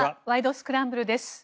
スクランブル」です。